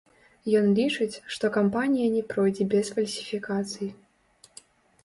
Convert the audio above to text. Ён лічыць, што кампанія не пройдзе без фальсіфікацый.